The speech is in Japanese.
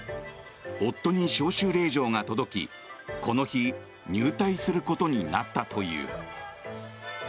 夫に招集令状が届きこの日入隊することになったという。